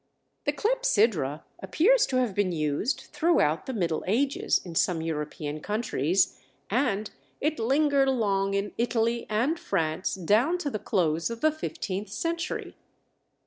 The clepsydra appears to have been used throughout the Middle Ages in some European countries, and it lingered along in Italy and France down to the close of the fifteenth century.